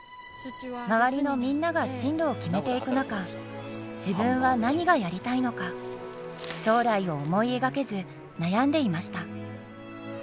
周りのみんなが進路を決めていく中自分は何がやりたいのか将来を思い描けず悩んでいました。